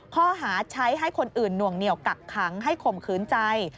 ข้อหาใช้ให้คนอื่นหน่วงเหนียวกักขังให้ข่มขืนใจ